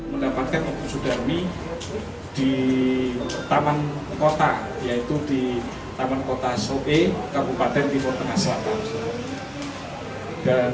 mendapatkan obat sudarmi di taman kota yaitu di taman kota soe kaupaten timur tengah selatan